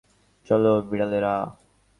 চলো, বিড়ালেরা।